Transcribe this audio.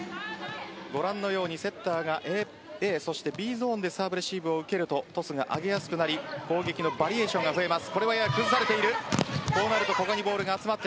ご覧のようにセッターがＡ・Ｂゾーンでサーブレシーブを受けるとトスが上げやすくなり攻撃のバリエーションが増えます。